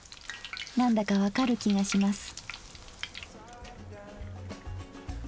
なんだか分かる気がします。